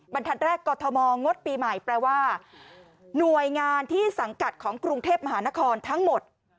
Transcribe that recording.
บรรทัศน์แรกกรทมงดปีใหม่แปลว่าหน่วยงานที่สังกัดของกรุงเทพมหานครทั้งหมด